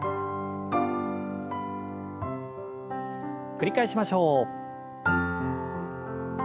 繰り返しましょう。